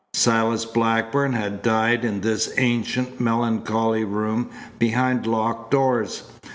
Silas Blackburn had died in this ancient, melancholy room behind locked doors.